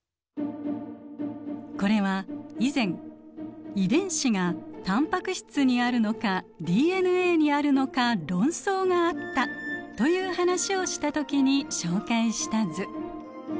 これは以前遺伝子がタンパク質にあるのかＤＮＡにあるのか論争があったという話をした時に紹介した図。